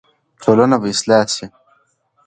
ټولنه به اصلاح شي.